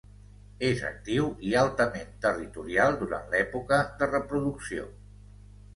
És actiu i altament territorial durant l'època de reproducció.